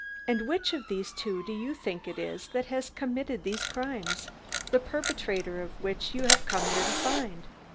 And which of these two do you think it is that has committed these crimes the perpetrator of which you have come here to find?"